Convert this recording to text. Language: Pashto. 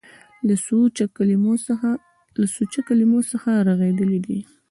له سوچه کلمو څخه رغېدلي دي.